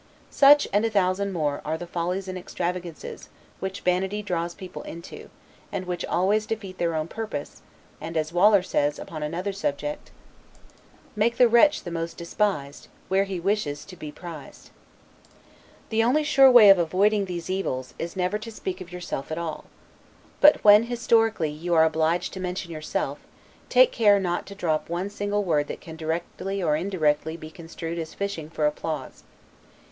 Such, and a thousand more, are the follies and extravagances, which vanity draws people into, and which always defeat their own purpose; and as Waller says, upon another subject, "Make the wretch the most despised, Where most he wishes to be prized." The only sure way of avoiding these evils, is never to speak of yourself at all. But when, historically, you are obliged to mention yourself, take care not to drop one single word that can directly or indirectly be construed as fishing for applause.